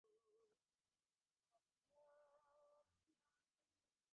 জারা স্পষ্ট বুঝতে পারছে, যেকোনো মুহূর্তে সারা বাকি চকলেটটাও চেয়ে বসবে।